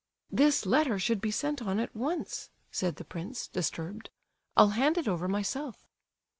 "This letter should be sent on at once," said the prince, disturbed. "I'll hand it over myself."